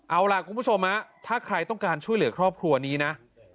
เอาล่ะคุณผู้ชมถ้าใครต้องการช่วยเหลือครอบครัวนี้นะ